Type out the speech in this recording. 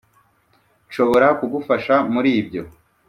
nshobora kugufasha muri ibyo